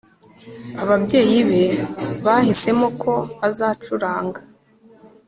ababyeyi be bahisemo ko azacuranga